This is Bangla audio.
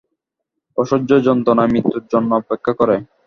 অসহ্য যন্ত্রণায় মৃত্যুর জন্যে অপেক্ষা করে।